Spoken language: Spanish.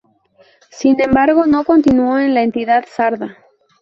Sin embargo, no continuó en la entidad sarda.